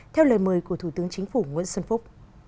theo lời mời của thủ tướng chính phủ nguyễn xuân phúc